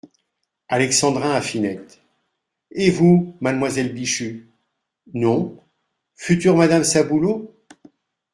Alexandrin , à Finette. — Et vous, mademoiselle Bichu,… non, future madame Saboulot ?